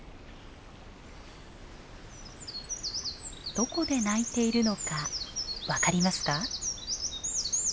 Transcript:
どこで鳴いているのか分かりますか？